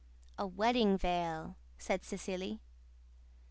"A wedding veil," said Cecily.